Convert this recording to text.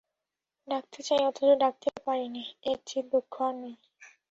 ডাকতে চাই অথচ ডাকতে পারি নে, এর চেয়ে দুঃখ আর নেই।